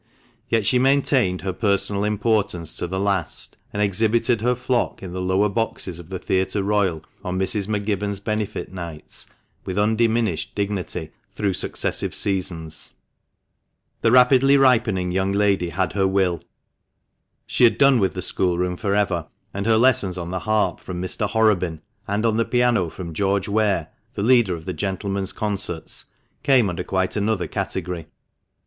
Yet she maintained her personal importance to the last, and exhibited her flock in the "lower boxes" of the Theatre Royal on Mrs. M'Gibbon's benefit nights with undiminished dignity through successive seasons. * See Appendix, THE MANCHESTER MAN. 269 The rapidly ripening young lady had her will ; she had done with the schoolroom for ever, and her lessons on the harp from Mr. Horobin, and on the piano from George Ware, the leader of the Gentlemen's Concerts, came under quite another category.